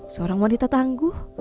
seorang wanita tangguh